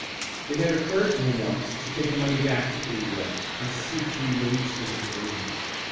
It had occurred to him once to take the money back to Pleadwell, and seek to be released from his agreement.